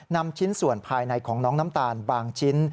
นำชิ้นส่วนภายในของน้องน้ำตาลบางชิ้น